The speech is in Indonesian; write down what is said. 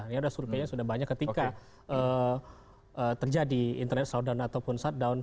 ini sudah suruh suruh banyak ketika terjadi internet shutdown ataupun shutdown